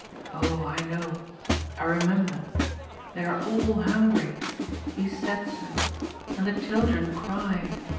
" Oh, I know. I remember. They are all hungry. He said so. And the children cry.